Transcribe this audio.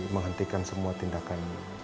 menghentikan semua tindakan